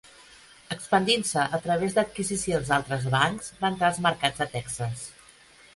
Expandint-se a través d'adquisicions d'altres bancs, va entrar als mercats de Texas.